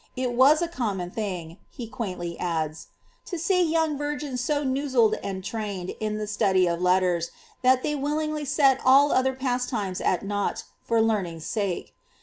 It was a common thing,'' he quaintly adds, ^ to see young virgins so nouzled and trained in tlie study of letters, that they willingly set all other pastimes at nought for learn ing's sake.